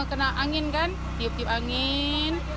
kena angin kan tiup tiup angin